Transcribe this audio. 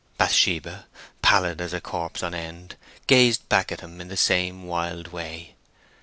Bathsheba, pallid as a corpse on end, gazed back at him in the same wild way.